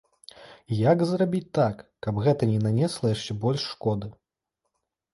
І як зрабіць так, каб гэта не нанесла яшчэ больш шкоды?